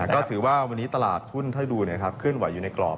ก็ถือว่าวันนี้ตลาดทุนถ้าดูเคลื่อนไหวอยู่ในกรอบ